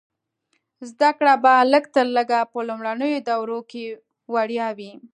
زده کړه به لږ تر لږه په لومړنیو دورو کې وړیا وي.